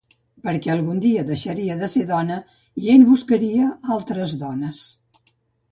Perquè algun dia deixaria de ser dona i ell buscaria altres dones...